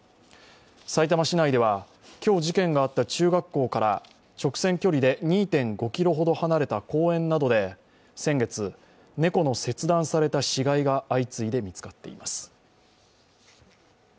さいたま市内では今日事件があった中学校から直線距離で２．５ｋｍほど離れた公園などで先月、猫の切断された死骸が相次いで見つかっています。